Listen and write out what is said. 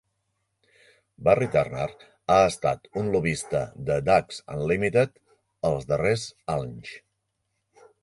Barry Turner ha estat un lobbista de Ducks Unlimited als darrers anys.